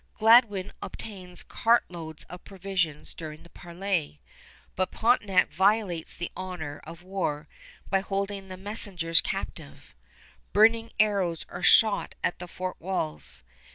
Gladwin obtains cart loads of provisions during the parley, but Pontiac violates the honor of war by holding the messengers captive. Burning arrows are shot at the fort walls.